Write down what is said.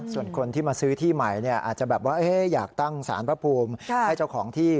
ส่วนคนที่มาซื้อที่ใหม่อาจจะแบบว่าอยากตั้งสารพระภูมิให้เจ้าของที่